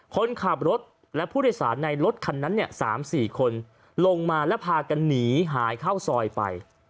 คนขับรถและผู้โดยสารในรถคันนั้น๓๔คนลงมาแล้วพากันหนีหายเข้าซอยไป